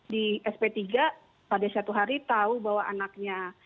di sp tiga pada satu hari tahu bahwa anaknya